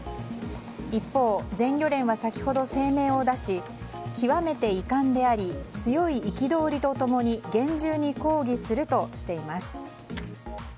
一方、全漁連は先ほど声明を出し極めて遺憾であり強い憤りと共に厳重に抗議するとしています。